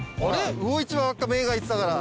魚市場ばっか目がいってたから。